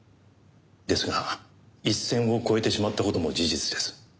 ですが一線を越えてしまった事も事実です。